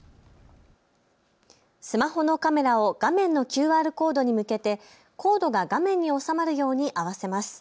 スマホのカメラを画面のＱＲコードに向けてコードが画面に収まるように合わせます。